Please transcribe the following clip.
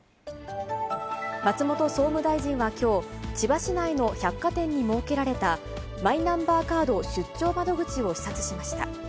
松本総務大臣はきょう、千葉市内の百貨店に設けられたマイナンバーカード出張窓口を視察しました。